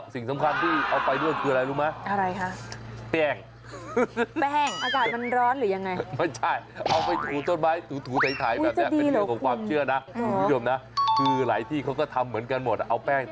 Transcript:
สิ่งสำคัญที่เอาไปด้วยคืออะไรรู้ไหมอะไรคะ